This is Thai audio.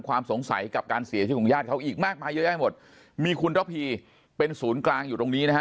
ความสงสัยกับการเสียชีวิตของญาติเขาอีกมากมายเยอะแยะหมดมีคุณระพีเป็นศูนย์กลางอยู่ตรงนี้นะฮะ